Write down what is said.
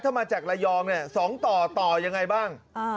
ถ้ามาจากระยองเนี่ย๒ต่อต่อยังไงบ้าง